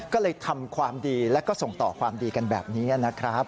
ก็เลยทำความดีแล้วก็ส่งต่อความดีกันแบบนี้นะครับ